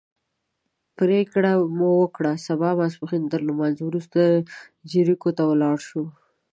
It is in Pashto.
پرېکړه مو وکړه سبا به د ماسپښین تر لمانځه وروسته جریکو ته ولاړ شو.